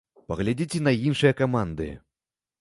Паглядзіце на іншыя каманды.